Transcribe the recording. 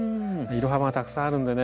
色幅がたくさんあるんでね